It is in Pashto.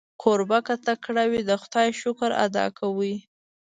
کوربه که تکړه وي، د خدای شکر ادا کوي.